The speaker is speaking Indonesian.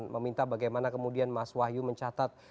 dan meminta bagaimana kemudian mas wahyu mencatat